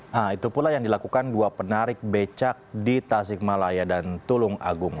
nah itu pula yang dilakukan dua penarik becak di tasik malaya dan tulung agung